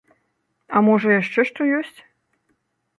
А можа яшчэ што ёсць?